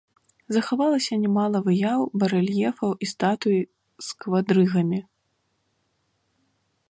Захавалася нямала выяў, барэльефаў і статуй з квадрыгамі.